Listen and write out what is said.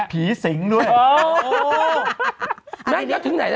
พี่สิงห์ด้วย